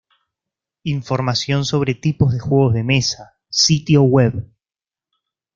Información sobre tipos de juegos de mesa, sitio web